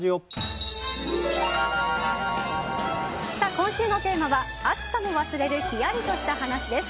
今週のテーマは暑さも忘れるヒヤリとした話です。